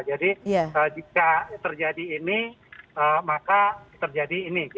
jadi jika terjadi ini maka terjadi ini